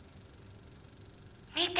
「見て。